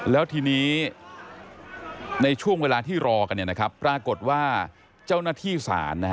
แล้วทีนี้ในช่วงเวลาที่รอกันปรากฏว่าเจ้าหน้าที่ศาล